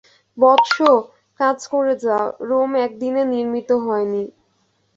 বৎস, কাজ করে যাও, রোম একদিনে নির্মিত হয়নি।